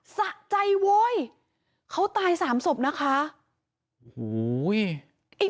สะใจโว้ยเขาตาย๓สมนะคะโอ้โหว้ย